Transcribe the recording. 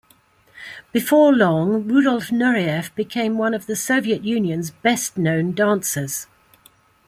Before long Rudolf Nureyev became one of the Soviet Union's best-known dancers.